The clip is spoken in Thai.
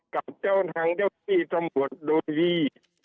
กับเจ้าทางเจ้าที่ตำรวจโดยดี